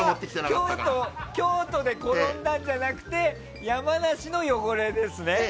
それは京都で転んだんじゃなくて山梨の汚れですね？